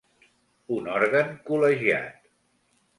Un òrgan col·legiat.